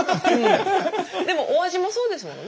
でもお味もそうですものね。